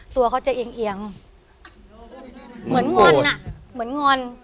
ตัวเขาจะเอียงเอียงเหมือนงอนอ่ะเหมือนงอน